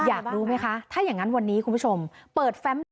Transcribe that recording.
อยากรู้ไหมคะถ้าอย่างนั้นวันนี้คุณผู้ชมเปิดแฟมต่อ